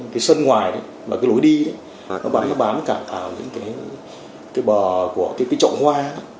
cái sân ngoài và cái lối đi nó bắn cả những cái bờ của cái trọng hoa